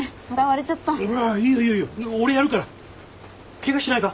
ケガしてないか？